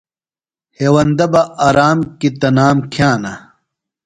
ہیوندہ بہ آرام کیۡ تنام کِھیانہ۔